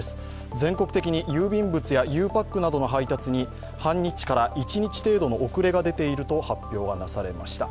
全国的に郵便物やゆうパックなどの配達に半日から１日程度の遅れが出ていると発表がなされました。